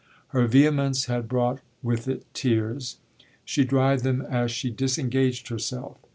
Her vehemence had brought with it tears; she dried them as she disengaged herself.